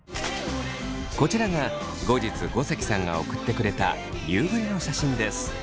こちらが後日ごせきさんが送ってくれた夕暮れの写真です。